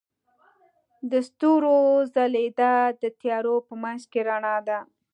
د ستورو ځلیدا د تیارو په منځ کې رڼا ده.